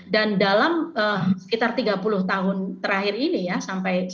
dan dalam sekitar tiga puluh tahun terakhir ini ya sampai hari hari ini